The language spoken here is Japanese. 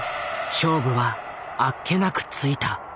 勝負はあっけなくついた。